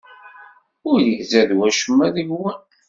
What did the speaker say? Ur izad wacemma deg-wen.